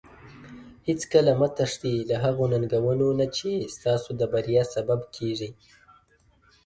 هیڅکله مه تښتي له هغو ننګونو نه چې ستاسو د بریا سبب کیږي.